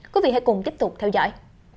quý vị hãy cùng tiếp tục theo dõi